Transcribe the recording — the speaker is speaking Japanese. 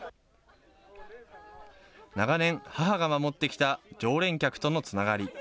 長年、母が守ってきた常連客とのつながり。